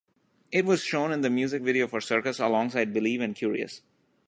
It was shown in the music video for "Circus" alongside Believe and Curious.